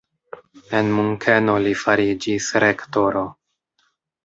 En Munkeno li fariĝis rektoro.